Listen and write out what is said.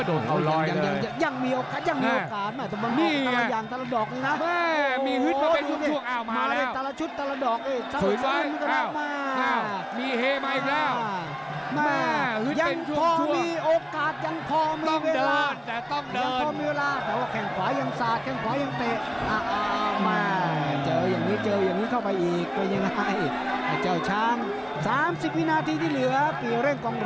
โอ้โหโดดเขาลอยเลย